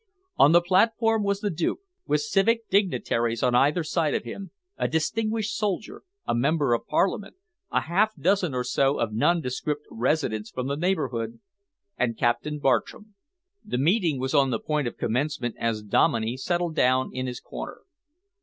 On the platform was the Duke, with civic dignitaries on either side of him; a distinguished soldier, a Member of Parliament, a half dozen or so of nondescript residents from the neighbourhood, and Captain Bartram. The meeting was on the point of commencement as Dominey settled down in his corner.